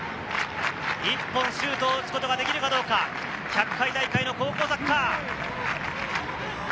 １本シュートを打つことができるかどうか、１００回大会の高校サッカー。